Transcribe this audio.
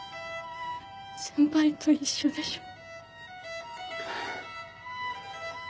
先輩と一緒でしょ？ハァ。